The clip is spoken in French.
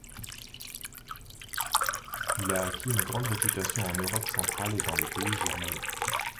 Il a acquis une grande réputation en Europe centrale et dans les pays germaniques.